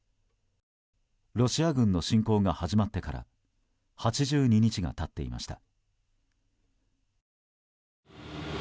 ロシア軍の侵攻が始まってから８２日が経っていました。